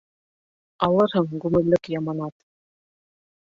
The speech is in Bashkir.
Алырһың ғүмерлек яманат.